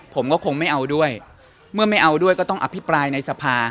ผมก็คงไม่เอาด้วยเมื่อไม่เอาด้วยก็ต้องอภิปรายในสภา